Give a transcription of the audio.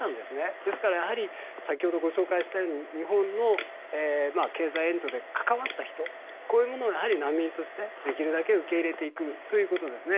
ですから、やはり先ほどご紹介したように日本の経済援助で関わった人こういうものを難民としてできるだけ受け入れていくということですね。